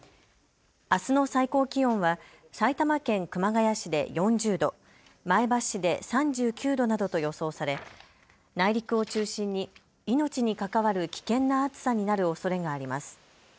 あすの最高気温は埼玉県熊谷市で４０度、前橋市で３９度などと予想され内陸を中心に命に関わる危険な暑さになるおそれがあります。